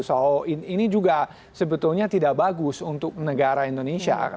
so ini juga sebetulnya tidak bagus untuk negara indonesia